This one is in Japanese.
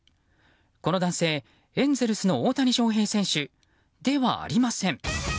この男性、エンゼルスの大谷翔平選手ではありません。